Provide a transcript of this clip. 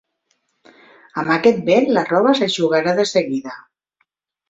Amb aquest vent la roba s'eixugarà de seguida!